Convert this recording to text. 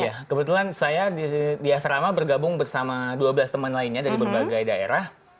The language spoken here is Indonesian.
iya kebetulan saya di asrama bergabung bersama dua belas teman lainnya dari berbagai daerah